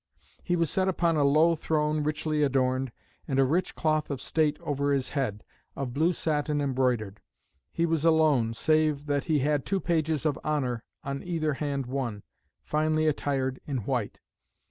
He was set upon a low Throne richly adorned, and a rich cloth of state over his head, of blue satin embroidered. He was alone, save that he had two pages of honour, on either hand one, finely attired in white.